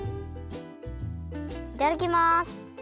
いただきます！